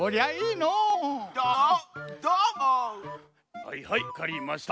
はいはいわかりました。